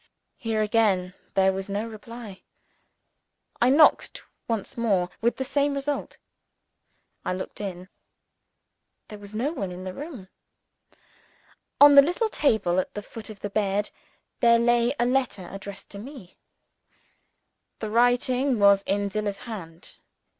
Here again there was no reply. I knocked once more with the same result. I looked in. There was no one in the room. On the little table at the foot of the bed, there lay a letter addressed to me. The writing was in Zillah's hand.